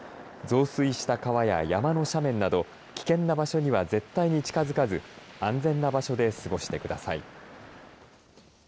増水した川や山の斜面など危険な場所には絶対に近づかず安全な場所で過ごしてください。